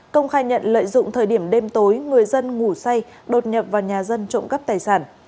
công khai nhận lợi dụng thời điểm đêm tối người dân ngủ say đột nhập vào nhà dân trộm cắp tài sản